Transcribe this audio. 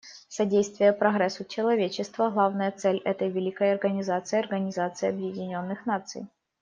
Содействие прогрессу человечества — главная цель этой великой организации, Организации Объединенных Наций.